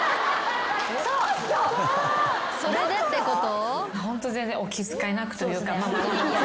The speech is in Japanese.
それでってこと？